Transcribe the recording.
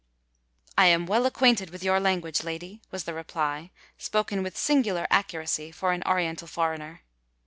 "I am well acquainted with your language, lady," was the reply, spoken with singular accuracy for an oriental foreigner.